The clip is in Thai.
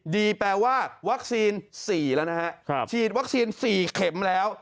แปลว่าวัคซีน๔แล้วนะฮะฉีดวัคซีน๔เข็มแล้ว